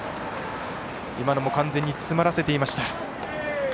今のも完全に詰まらせていました。